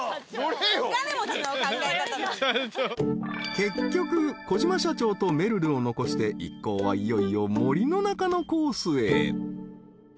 ［結局小嶋社長とめるるを残して一行はいよいよ森の中のコースへ］